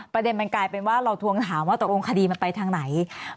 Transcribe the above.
ประเด็นมันกลายเป็นว่าเราทวงถามว่าตกลงคดีมันไปทางไหน